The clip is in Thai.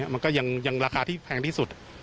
มันก็ยังราคาที่แพงที่สุด